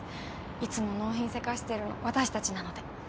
いつも納品せかしてるの私たちなので。